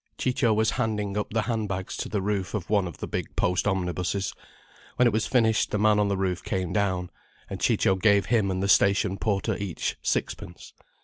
Ciccio was handing up the handbags to the roof of one of the big post omnibuses. When it was finished the man on the roof came down, and Ciccio gave him and the station porter each sixpence.